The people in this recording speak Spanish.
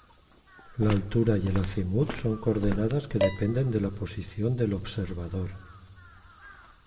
La altura y el acimut son coordenadas que dependen de la posición del observador.